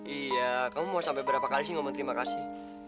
iya kamu mau sampai berapa kali sih ngomong terima kasih